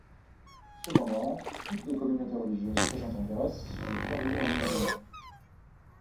Cependant, toutes les communautés religieuses présentes en Grèce sont les bienvenues dans le mouvement.